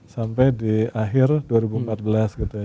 sampai di akhir dua ribu empat belas gitu ya